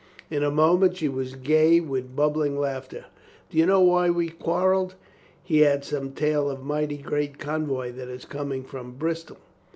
In a moment she was gay with bubbling laughter. "Do you know why we quarreled? He had some tale of a mighty great convoy that is coming from Bristol.